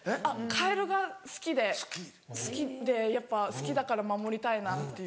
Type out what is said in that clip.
カエルが好きで好きでやっぱ好きだから守りたいなっていう。